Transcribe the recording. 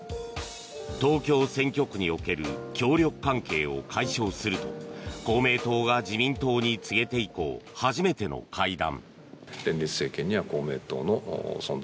東京選挙区における協力関係を解消すると公明党が自民党に告げて以降初めての会談。